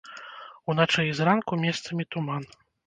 Уначы і зранку месцамі туман.